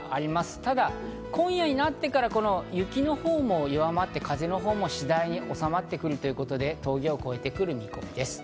ただ今夜になってから雪も弱まって、風も次第におさまってくるということで峠を越えてくる見込みです。